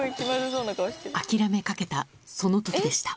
諦めかけたそのときでした。